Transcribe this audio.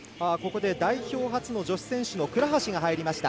代表初の女子選手の倉橋が入りました。